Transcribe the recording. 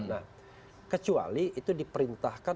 nah kecuali itu diperintahkan